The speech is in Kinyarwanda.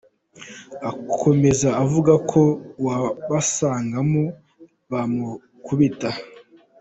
Akomeza avuga ko uwabasangamo bamukubita.